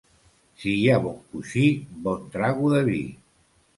Si hi ha bon coixí, bon trago de vi.